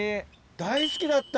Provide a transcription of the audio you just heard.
大好きだった！